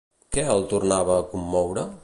Què el tornava a commoure?